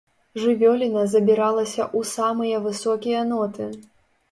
Жывёліна забіралася ў самыя высокія ноты.